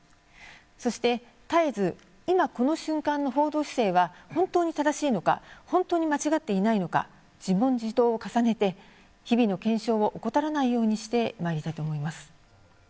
そして、絶えず今この瞬間の報道姿勢は本当に正しいのか本当に間違っていないのか自問自答を重ねて日々の検証を怠らないようにしてまいりたいと思います。